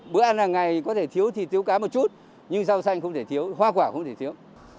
bữa ăn hàng ngày có thể thiếu thì thiếu cá một chút nhưng rau xanh không thể thiếu hoa quả không thể thiếu